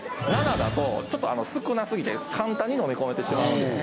７だとちょっと少なすぎて簡単に飲み込めてしまうんです